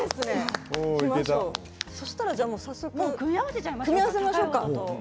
そうしたら、じゃあ早速組み合わせましょうか。